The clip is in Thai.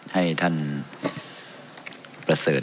ให้ท่านประเสริฐ